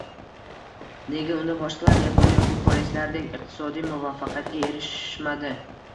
nega unda boshqalar yapon yoki koreyslardek iqtisodiy muvaffaqiyatga erishishmadi?»